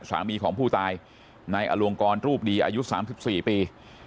สามีของผู้ตายนายอลงกรรูปดีอายุ๓๔ปี